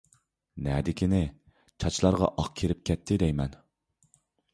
نەدىكىنى، چاچلارغا ئاق كىرىپ كەتتى دەيمەن.